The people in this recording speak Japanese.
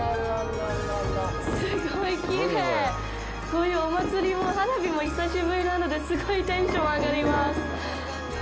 こういうお祭りも花火も久しぶりなのですごいテンション上がります。